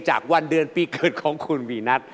จากวันเดือนปีเกิดของคุณวีนัท